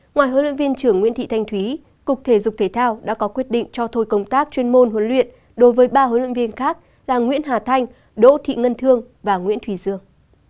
ngoài huấn luyện viên trưởng nguyễn thị thanh thúy cục thể dục thể thao đã có quyết định cho thôi công tác chuyên môn huấn luyện đối với ba huấn luyện viên khác là nguyễn hà thanh đỗ thị ngân thương và nguyễn thủy dương